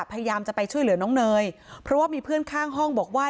พยายามจะไปช่วยเหลือน้องเนยเพราะว่ามีเพื่อนข้างห้องบอกว่า